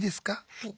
はい。